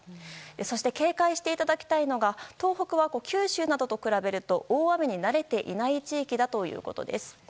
そして警戒していただきたいのが東北は九州などと比べると大雨に慣れていない地域だということです。